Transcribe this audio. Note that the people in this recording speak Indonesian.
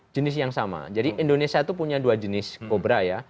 jenis yang sama jadi indonesia itu punya dua jenis kobra ya